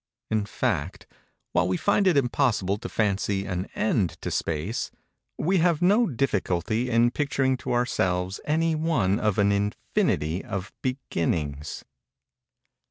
In fact, while we find it impossible to fancy an end to space, we have no difficulty in picturing to ourselves any one of an infinity of beginnings.